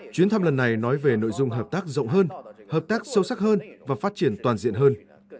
chuyến thăm lần này nói về nội dung hợp tác rộng hơn hợp tác sâu sắc hơn và phát triển toàn diện hơn